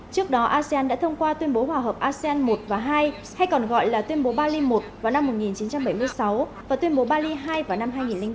trước đó asean đã thông qua tuyên bố hòa hợp asean một và hai hay còn gọi là tuyên bố bali một vào năm một nghìn chín trăm bảy mươi sáu và tuyên bố bali hai vào năm hai nghìn ba